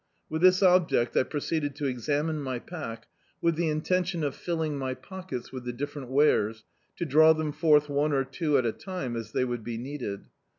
With this object I proceeded to examine my pack, with the intenticHi of filling my pockets with the differ ent wares, to draw them forth one or two at a time, as they would be needed.